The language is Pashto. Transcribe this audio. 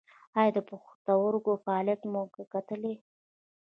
ایا د پښتورګو فعالیت مو کتلی دی؟